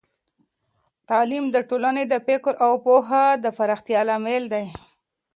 تعليم د ټولنې د فکر او پوهه د پراختیا لامل دی.